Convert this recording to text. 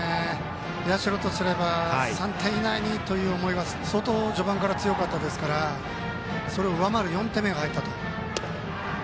社とすれば３点以内にという思いが相当序盤から強かったですからそれを上回る４点目が入ったと。